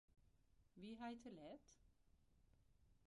Wie hy te let?